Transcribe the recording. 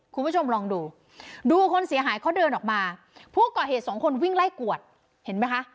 คุณผู้ชมลองดูดูคนเสียหายเขาเดินออกมาผู้ก่อเหตุสองคนวิ่งไล่กวดเห็นไหมคะ